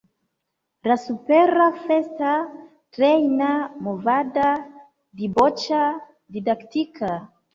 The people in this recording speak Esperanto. La supera festa, trejna, movada, diboĉa, didaktika